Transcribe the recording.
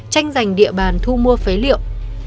tranh giành địa bàn thu mua phế liệu